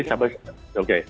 jadi sampai sekarang oke